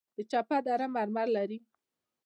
د چپه دره مرمر لري